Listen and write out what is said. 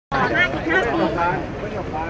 ครอบครัวฟ้าเลียมอ่านถึงอีก๕ปี